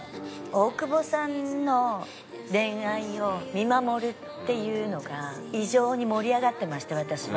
大久保さんの恋愛を見守るっていうのが異常に盛り上がってまして私は。